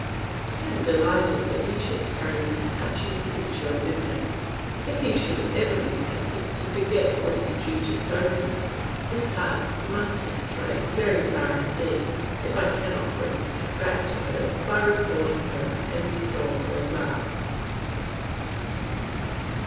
I am delighted that he should carry this touching picture with him. If he should ever be tempted to forget what is due to Sophy, his heart must have strayed very far indeed if I cannot bring it back to her by recalling her as he saw her last.